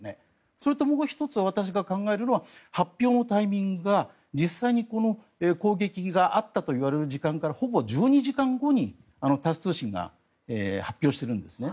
それともう１つは私が考えるのは発表のタイミングが実際に攻撃があったといわれる時間からほぼ１２時間後にタス通信が発表してるんですね。